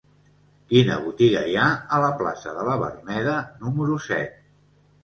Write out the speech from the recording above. Quina botiga hi ha a la plaça de la Verneda número set?